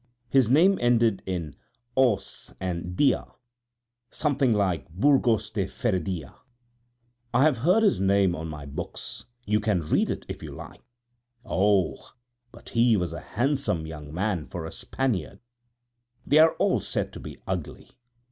His name ended in os and dia, something like Burgos de Férédia. I have his name on my books; you can read it if you like. Oh! but he was a handsome young man for a Spaniard; they are all said to be ugly.